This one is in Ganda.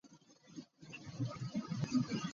Ekisero kijjude amagi.